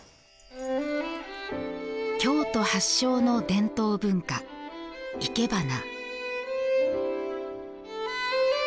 京都発祥の伝統文化、いけばな。